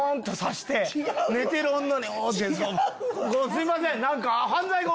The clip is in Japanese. すいません。